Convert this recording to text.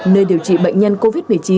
nơi điều trị bệnh nhân covid một mươi chín